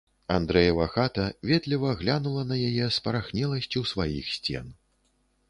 Андрэева хата ветліва глянула на яе спарахнеласцю сваіх сцен.